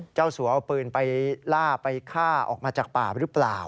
เจ้าสัวเอาปืนไปล่าไปฆ่าออกมาจากป่าหรือเปล่า